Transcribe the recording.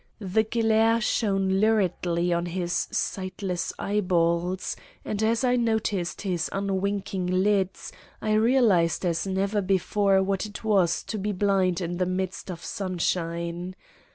The glare shone luridly on his sightless eyeballs, and as I noticed his unwinking lids I realized as never before what it was to be blind in the midst of sunshine.